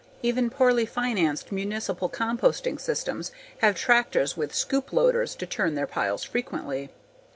Even poorly financed municipal composting systems have tractors with scoop loaders to turn their piles frequently.